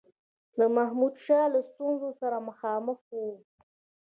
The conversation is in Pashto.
د محمودشاه له ستونزي سره مخامخ وو.